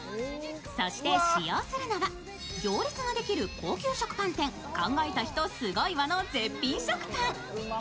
そして、使用するのは行列ができる高級食パン店、考えた人すごいわの絶品食パン。